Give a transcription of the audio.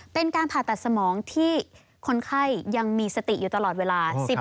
เป็นการผ่าตัดสมองที่คนไข้ยังมีสติอยู่ตลอดเวลา